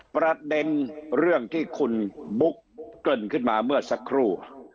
ประเด็นเรื่องที่คุณบุ๊กเกริ่นขึ้นมาเมื่อสักครู่